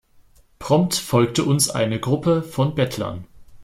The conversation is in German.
Prompt folgte uns eine Gruppe von Bettlern.